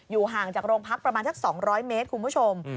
ห่างจากโรงพักประมาณสัก๒๐๐เมตรคุณผู้ชม